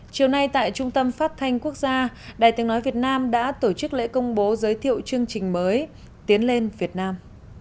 chiều nay tại trung tâm phát thanh quốc gia đài tiếng nói việt nam đã tổ chức lễ công bố giới thiệu chương trình mới tiến lên việt nam